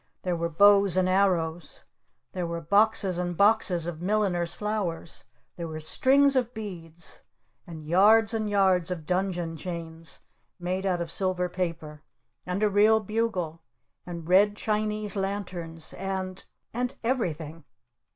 There were bows and arrows! There were boxes and boxes of milliner's flowers! There were strings of beads! And yards and yards of dungeon chains made out of silver paper! And a real bugle! And red Chinese lanterns! And and everything!